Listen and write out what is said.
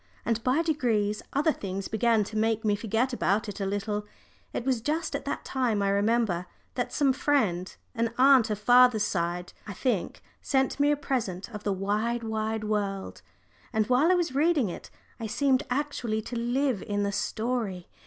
And by degrees other things began to make me forget about it a little. It was just at that time, I remember, that some friend an aunt on father's side, I think sent me a present of The Wide, Wide World, and while I was reading it I seemed actually to live in the story.